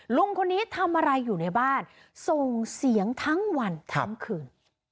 ลุงคนนี้ทำอะไรอยู่ในบ้านส่งเสียงทั้งวันทั้งคืน